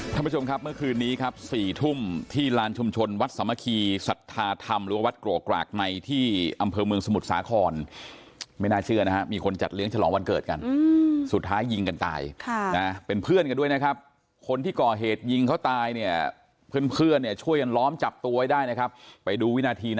ท่านผู้ชมครับเมื่อคืนนี้ครับสี่ทุ่มที่ลานชุมชนวัดสามัคคีสัทธาธรรมหรือว่าวัดโกกรากในที่อำเภอเมืองสมุทรสาครไม่น่าเชื่อนะฮะมีคนจัดเลี้ยงฉลองวันเกิดกันสุดท้ายยิงกันตายค่ะนะเป็นเพื่อนกันด้วยนะครับคนที่ก่อเหตุยิงเขาตายเนี่ยเพื่อนเพื่อนเนี่ยช่วยกันล้อมจับตัวไว้ได้นะครับไปดูวินาที